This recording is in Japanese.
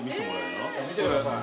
◆見てください。